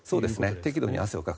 適度に汗をかく。